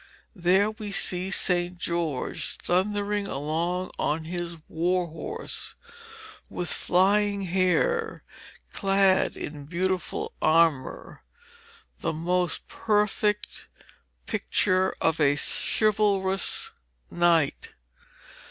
There we see St. George thundering along on his war horse, with flying hair, clad in beautiful armour, the most perfect picture of a chivalrous knight.